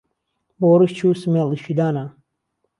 بۆ ڕیش جوو سمێڵیشی دانا